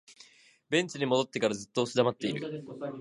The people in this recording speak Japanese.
ベンチに戻ってからずっと押し黙っている